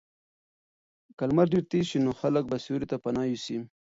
که لمر ډېر تېز شي نو خلک به سیوري ته پناه یوسي.